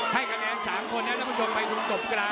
ให้คะแนน๓คนนะท่านผู้ชมไปทุนกบกลาง